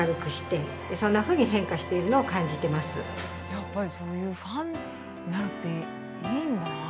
やっぱりそういうファンになるっていいんだな。